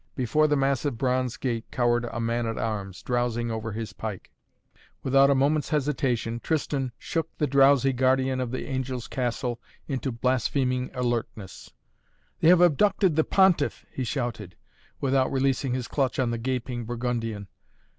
Before the massive bronze gate cowered a man at arms, drowsing over his pike. Without a moment's hesitation, Tristan shook the drowsy guardian of the Angel's Castle into blaspheming alertness. "They have abducted the Pontiff!" he shouted, without releasing his clutch on the gaping Burgundian.